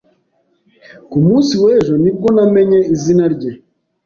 Ku munsi w'ejo ni bwo namenye izina rye.